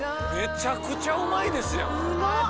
めちゃくちゃうまいですやん！